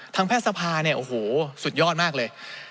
แพทย์สภาเนี่ยโอ้โหสุดยอดมากเลย